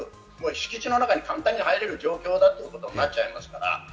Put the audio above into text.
敷地の中に簡単に入れる状況ということになっちゃいますから。